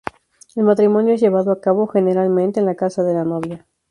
El matrimonio es llevado a cabo, generalmente, en la casa de la novia.